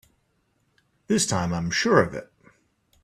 This time I'm sure of it!